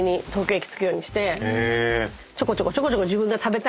ちょこちょこちょこちょこ。